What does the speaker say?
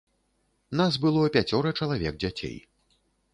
Нас было пяцёра чалавек дзяцей.